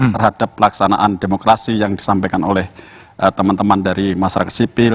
terhadap pelaksanaan demokrasi yang disampaikan oleh teman teman dari masyarakat sipil